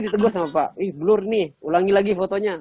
ditegur sama bapak ihh blur nih ulangi lagi fotonya